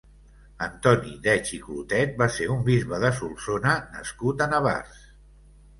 Antoni Deig i Clotet va ser un bisbe de Solsona nascut a Navars.